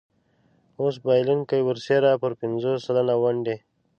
اوس بایلونکی برسېره پر پنځوس سلنه ونډې.